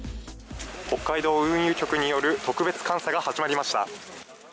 北海道運輸局による特別監査が始まりました。